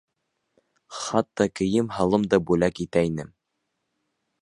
Хатта кейем-һалым да бүләк итә ине.